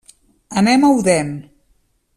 Anem a Odèn.